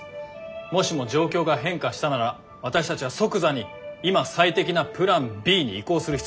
もしも状況が変化したなら私たちは即座に今最適なプランＢに移行する必要がある。